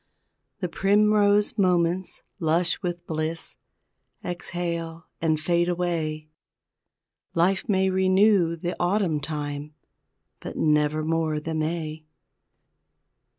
The primrose moments, lush with bliss, Exhale and fade away, Life may renew the Autumn time, But nevermore the May!